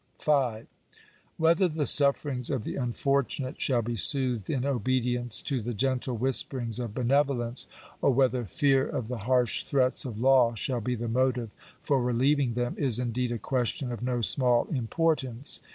§5. Whether the sufferings of the unfortunate shall be soothed in obedience to the gentle whisperings of benevolence, or whether fear of the harsh threats of law shall be the motive for relieving them, is indeed a question of no small importance.